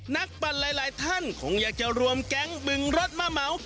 ปั่นหลายท่านคงอยากจะรวมแก๊งบึงรถมาเหมา